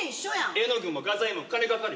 絵の具も画材も金がかかる。